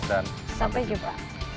dan sampai jumpa